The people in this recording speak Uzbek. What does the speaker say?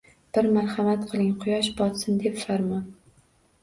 Bir marhamat qiling, quyosh botsin, deb farmon